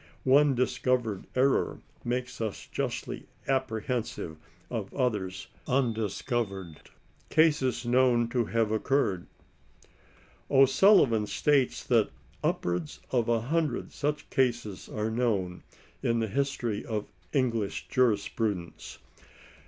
One dis covered error makes us justly apprehensive of others undis covered. GASES KNOWN TO HAVE OCCURRED. O'Sullivan states that upwards of a hundred such cases are known in the history of English criminal jurisprudence."